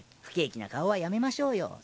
不景気な顔はやめましょうよ。